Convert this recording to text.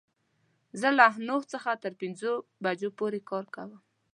زه له نهو څخه تر پنځو بجو پوری کار کوم